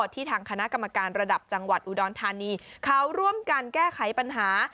ที่ทางคณะกรรมการระดับจังหวัดอุดรธานีเขาร่วมกันแก้ไขปัญหา